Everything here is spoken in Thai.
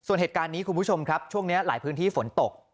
ส่วนเหตุการณ์นี้คุณผู้ชมครับช่วงนี้หลายพื้นที่ฝนตก